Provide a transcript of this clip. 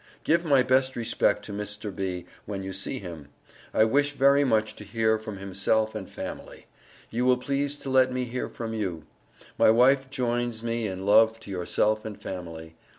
Give my Best Respect to Mr. B. when you see him. I wish very much to hear from himself and family. You will please to let me hear from you. My wife Joines me in love to yourself and family.